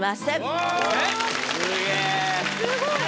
すごい。